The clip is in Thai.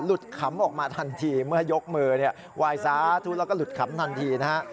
ขำออกมาทันทีเมื่อยกมือเนี่ยวายสาธุแล้วก็หลุดขำทันทีนะฮะ